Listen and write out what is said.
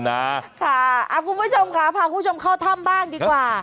คุณผู้ชมนะค่ะอ่าคุณผู้ชมค่ะพาคุณผู้ชมเข้าถ้ำบ้างดีกว่า